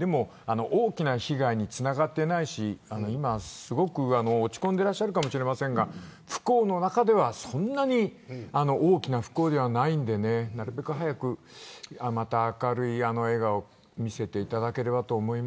大きな被害につながっていないし落ち込んでいらっしゃるかもしれませんが不幸の中ではそんなに大きな不幸ではないんでねなるべく早く、明るいあの笑顔を見せていただければと思います。